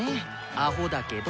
アホだけど。